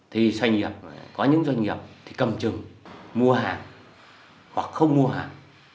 thì doanh nghiệp có những doanh nghiệp thì cầm chừng mua hàng hoặc không mua hàng